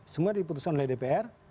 semua diputuskan oleh dpr